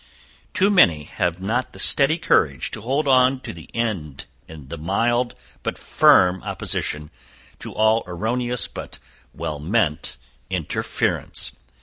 "Too many have not the steady courage to hold on to the end in mild, but firm opposition to all erroneous, but well meant interference.